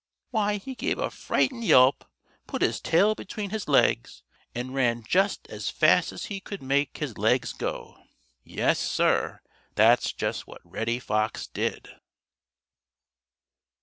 Why, he gave a frightened yelp, put his tail between his legs, and ran just as fast as he could make his legs go. Yes, Sir, that's just what Reddy Fox did.